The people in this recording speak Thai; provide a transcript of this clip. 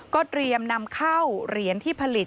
เตรียมนำเข้าเหรียญที่ผลิต